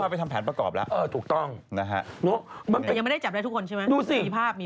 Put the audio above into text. เขาไปทำแผนประกอบแล้วนะครับดูสิมีภาพมีภาพแต่ยังไม่ได้จับได้ทุกคนใช่ไหม